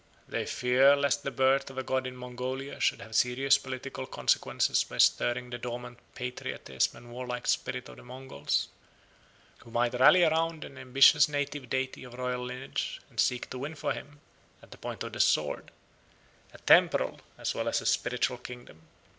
They fear lest the birth of a god in Mongolia should have serious political consequences by stirring the dormant patriotism and warlike spirit of the Mongols, who might rally round an ambitious native deity of royal lineage and seek to win for him, at the point of the sword, a temporal as well as a spiritual kingdom.